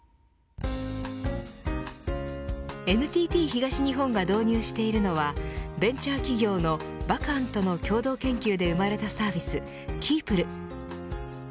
ＮＴＴ東日本が導入しているのはベンチャー企業のＶＡＣＡＮとの共同研究で生まれたサービスＫｅｅｐｌｅ。